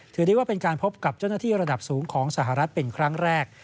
ถือได้ว่าเป็นการพบกับเจ้าหน้าที่ระดับสูงของสหรัฐเป็นครั้งแรก